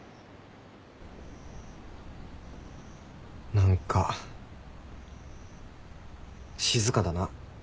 何か静かだな。